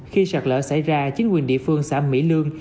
khi sạt lở xảy ra chính quyền địa phương xã mỹ lương